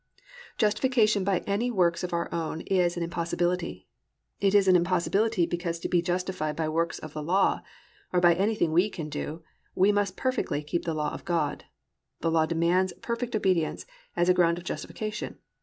"+ Justification by any works of our own is an impossibility. It is an impossibility because to be justified by works of the law, or by anything we can do, we must perfectly keep the law of God. The law demands perfect obedience as a ground of justification.